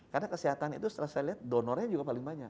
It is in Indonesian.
karena kesehatan itu setelah saya lihat donor nya juga paling banyak